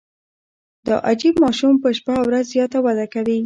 دا عجیب ماشوم په شپه له ورځ زیاته وده کوي.